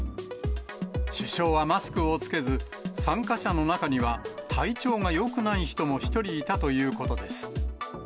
首相はマスクを着けず、参加者の中には、体調がよくない人も１人いたということです。